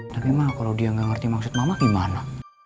tapi ma kalau dia gak ngerti maksud mama gimana